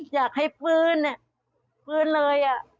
อยากให้ฟื้นฟื้นเลย